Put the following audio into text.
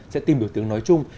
sẽ tìm được tiếng nói chung